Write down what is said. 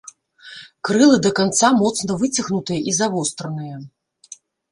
Крылы да канца моцна выцягнутыя і завостраныя.